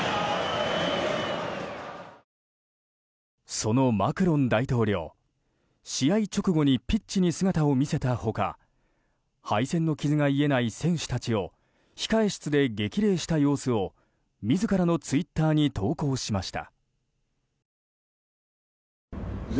そのマクロン大統領試合直後にピッチに姿を見せた他敗戦の傷が癒えない選手たちを控室で激励した様子を自らのツイッターに投稿しました。